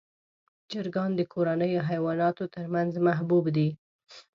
چرګان د کورنیو حیواناتو تر منځ محبوب دي.